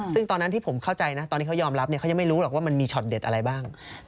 ซึ่งตอนนั้นที่ผมเข้าใจนะตอนที่เขายอมรับเขายังไม่รู้หรอกว่ามันมีช็อตเด็ดอะไรบ้าง